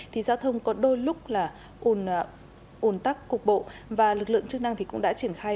thì giao thông có đôi lúc là ồn tắc cục bộ và lực lượng chức năng thì cũng đã triển khai